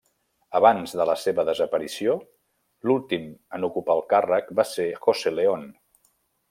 Abans de la seva desaparició, l'últim en ocupar el càrrec va ser José León.